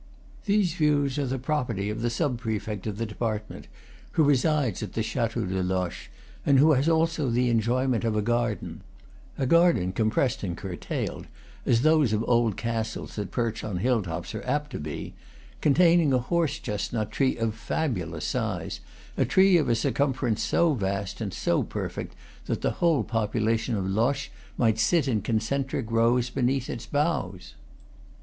These views are the property of the sub prefect of the department, who resides at the Chateau de Loches, and who has also the enjoy ment of a garden a garden compressed and curtailed, as those of old castles that perch on hill tops are apt to be containing a horse chestnut tree of fabulous size, a tree of a circumference so vast and so perfect that the whole population of Loches might sit in con centric rows beneath its boughs.